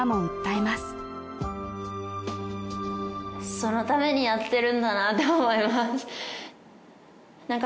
そのためにやってるんだなと思いますなんか